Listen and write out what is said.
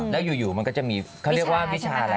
แล้วอยู่มันก็จะมีเขาเรียกว่าวิชาอะไร